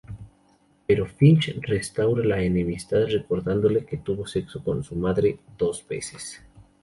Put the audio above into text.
Pero Finch restaura la enemistad recordándole, que tuvo sexo con su madre, dos veces.